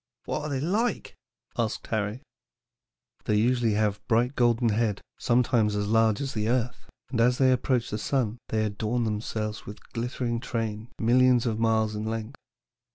'" "What are they like?" asked Harry. STORY OF COMETS. "They usually have a bright golden head, sometimes as large as the earth, and as they approach the sun they adorn themselves with a glittering train millions of miles in length.